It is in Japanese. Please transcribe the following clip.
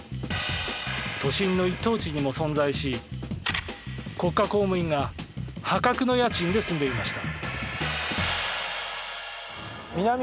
都心の一等地にも存在し国家公務員が破格の家賃で住んでいました。